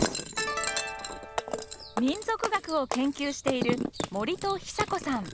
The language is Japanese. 民俗学を研究している森戸日咲子さん。